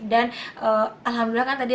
dan alhamdulillah kan tadi